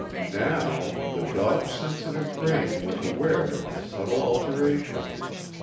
Now, the dog's sensitive brain was aware of a subtle alteration.